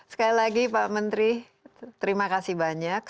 sekali lagi pak menteri terima kasih banyak